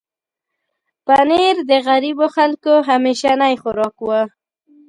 پنېر د غریبو خلکو همیشنی خوراک و.